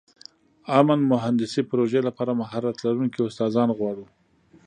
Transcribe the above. امن مهندسي پروژې لپاره مهارت لرونکي استادان غواړو.